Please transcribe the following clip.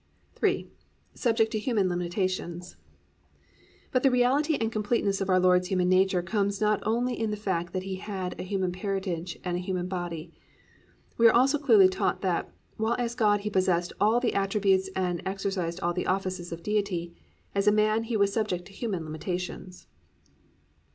III. SUBJECT TO HUMAN LIMITATIONS But the reality and completeness of our Lord's human nature comes out not only in the fact that He had a human parentage and a human body: we are also clearly taught that, while as God he possessed all the attributes and exercised all the offices of Deity, as a man He was subject to human limitations.